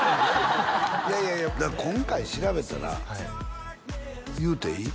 いやいやいやだから今回調べたら言うていい？